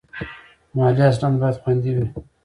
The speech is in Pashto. مالي اسناد باید خوندي وي.